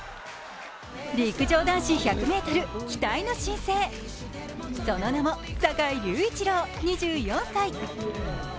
陸上男子１００ｍ期待の新星、その名も坂井隆一郎２４歳。